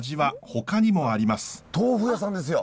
豆腐屋さんですよ。